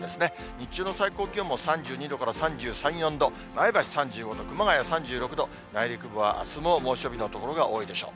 日中の最高気温も３２度から３３、４度、前橋３５度、熊谷３６度、内陸部はあすも猛暑日の所が多いでしょう。